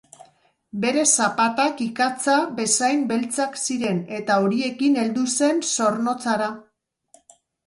Bere zapatak ikatza bezain beltzak ziren eta horiekin heldu zen Zornotzara.